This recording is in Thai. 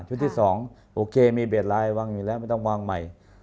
ที่๒โอเคมีเบียดไลน์วางอยู่แล้วไม่ต้องวางใหม่